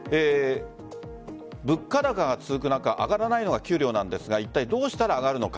物価高が続く中上がらないのが給料なんですがいったいどうしたら上がるのか。